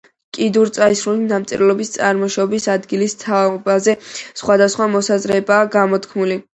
კიდურწაისრული დამწერლობის წარმოშობის ადგილის თაობაზე სხვადასხვა მოსაზრებებია გამოთქმული.